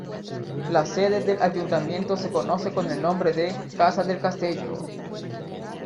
La sede del ayuntamiento se conoce con el nombre de "Casa del Castello".